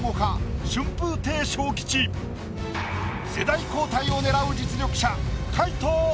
世代交代を狙う実力者。